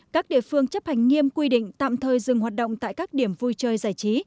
các địa phương chấp hành nghiêm quy định tạm thời dừng hoạt động tại các điểm vui chơi giải trí